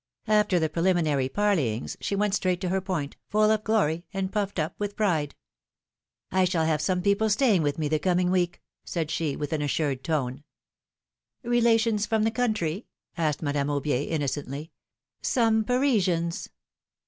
After the preliminary parley ings, she went straight to her point, full of glory, and puffed up with pride. I shall have some people staying with me the coming week," said she, with an assured tone. 54 philom£:ne^8 marriages. Relations from the country ?" asked Madame Aubier, innocently. Some Parisians